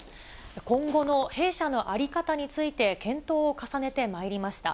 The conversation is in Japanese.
今後の弊社の在り方について検討を重ねてまいりました。